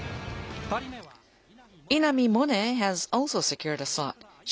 ２人目は稲見萌寧選手。